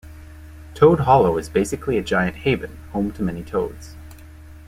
Toad Hollow is basically a giant haven, home to many Toads.